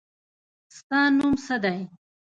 ستا نوم څه دی.